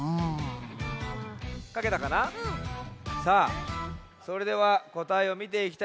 さあそれではこたえをみていきたいとおもいます。